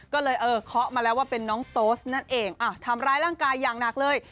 ก็เลยเออเคาะมาแล้วว่าเป็นน้องโต๊สนั่นเองทำร้ายร่างกายอย่างหนักเลย